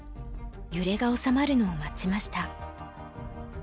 揺れが収まるのを待ちました。